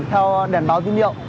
theo đèn báo tín hiệu